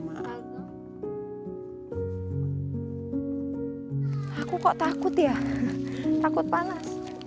aku kok takut ya takut panas